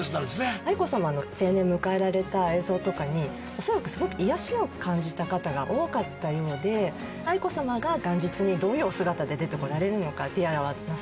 愛子さまの成年迎えられた映像とかにおそらくすごく癒やしを感じた方が多かったようで愛子さまが元日にどういうお姿で出てこられるのかティアラはなさるのか